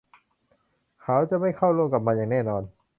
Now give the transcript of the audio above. เขาจะไม่เข้าร่วมกับมันอย่างแน่นอน